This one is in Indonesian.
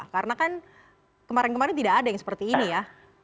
karena kan kemarin kemarin tidak ada yang seperti ini ya